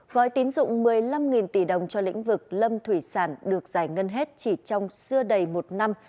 gói tín dụng một mươi năm tỷ đồng cho lĩnh vực lâm thủy sản được giải ngân hết chỉ trong xưa đầy một năm